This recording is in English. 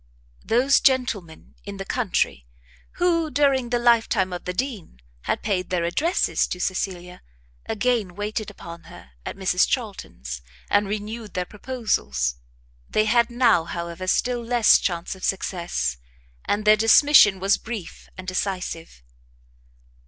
Those gentlemen in the country who, during the life time of the Dean, had paid their addresses to Cecilia, again waited upon her at Mrs Charlton's, and renewed their proposals. They had now, however, still less chance of success, and their dismission was brief and decisive.